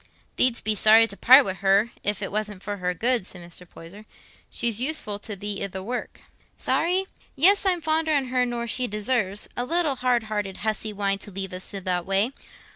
"Thee'dst be sorry to part wi' her, if it wasn't for her good," said Mr. Poyser. "She's useful to thee i' the work." "Sorry? Yes, I'm fonder on her nor she deserves—a little hard hearted hussy, wanting to leave us i' that way.